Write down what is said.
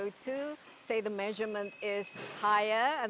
katakanlah ukuran itu lebih tinggi